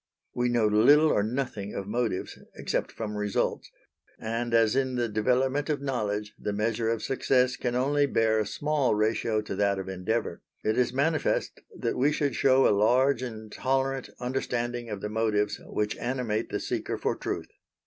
We know little or nothing of motives except from results, and as in the development of knowledge the measure of success can only bear a small ratio to that of endeavour, it is manifest that we should show a large and tolerant understanding of the motives which animate the seeker for truth.